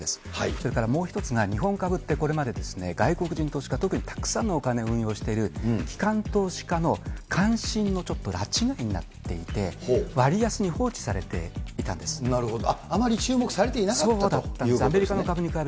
それからもう一つが、日本株ってこれまで外国人投資家、特にたくさんのお金を運用している、きかん投資家の関心のちょっとらち外になっていて、割安に放置さなるほど。